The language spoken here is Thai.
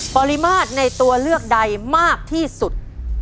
ปริมาตรในตัวเลือกใดมากที่สุด